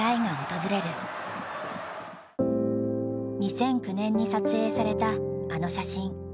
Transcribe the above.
２００９年に撮影されたあの写真。